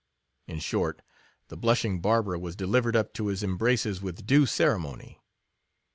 In short, the blushing Barbara was delivered up to his embraces with due ceremony.